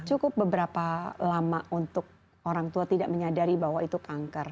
cukup beberapa lama untuk orang tua tidak menyadari bahwa itu kanker